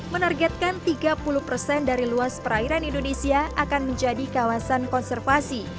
menargetkan tiga puluh persen dari luas perairan indonesia akan menjadi kawasan konservasi